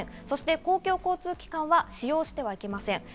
公共交通機関は使用してはいけません。